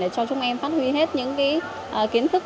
cho chúng em phát huy hết những kiến thức